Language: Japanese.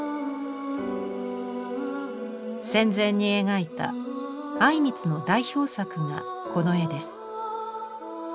戦前に描いた靉光の代表作がこの絵です。